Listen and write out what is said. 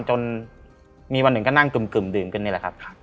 จนมีวันหนึ่งก็นั่งกึ่มดื่มกันนี่แหละครับ